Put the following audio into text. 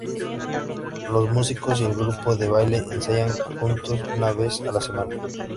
Los músicos y el grupo de baile ensayan juntos una vez a la semana.